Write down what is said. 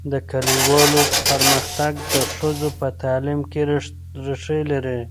د کلیوالو پرمختګ د ښځو په تعلیم کې ریښې لري.